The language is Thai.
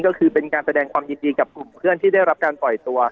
ก็คือเป็นการแสดงความยินดีกับกลุ่มเพื่อนที่ได้รับการปล่อยตัว